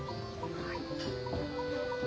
はい。